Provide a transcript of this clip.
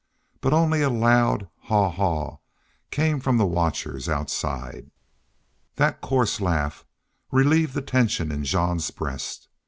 But only a loud, "Haw! Haw!" came from the watchers outside. That coarse laugh relieved the tension in Jean's breast.